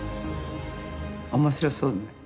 面白そうね